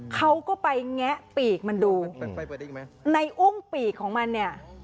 เขาก็ไปแงะปีกมันดูในอุ้งปีกของมันเนี่ย